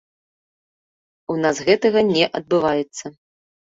У нас гэтага не адбываецца.